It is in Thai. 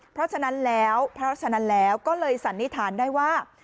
เพราะฉะนั้นแล้วก็เลยสันนิษฐานได้ว่า